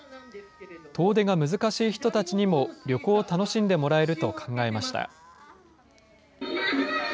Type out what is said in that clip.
遠出が難しい人たちにも、旅行を楽しんでもらえると考えました。